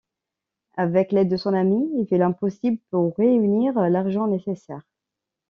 Avec l'aide de son ami, il fait l'impossible pour réunir l'argent nécessaire...